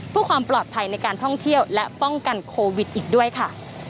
เพื่อความปลอดภัยในการท่องเที่ยวและป้องกันโควิดอีกด้วยค่ะ